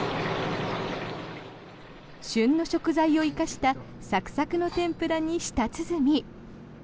旬の食材を生かしたサクサクの天ぷらに舌鼓。